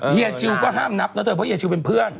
เฮีวก็ห้ามนับนะเธอเพราะเฮียชิวเป็นเพื่อน